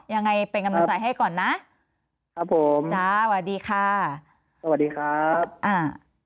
ยังไงเป็นกำลังใจให้ก่อนนะครับผมจ้าสวัสดีค่ะสวัสดีครับอ่า